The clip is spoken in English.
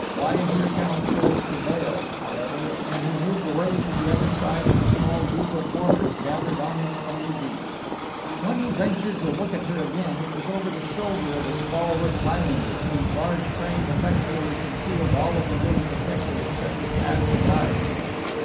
Wiser counsels prevailed, however, and he moved away to the other side of the small group of mourners gathered on the stony beach. When he ventured to look at her again, it was over the shoulder of a stalwart Highlander, whose large frame effectually concealed all of the little detective except his hat and eyes.